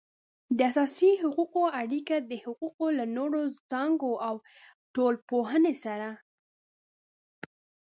د اساسي حقوقو اړیکه د حقوقو له نورو څانګو او ټولنپوهنې سره